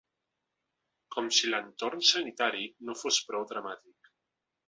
Com si l’entorn sanitari no fos prou dramàtic!